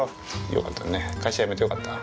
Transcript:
よかった？